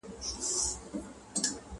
دا گولۍ مي دي په سل ځله خوړلي،